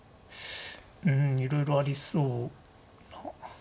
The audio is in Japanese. うんいろいろありそうな。